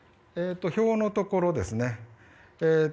表のところですね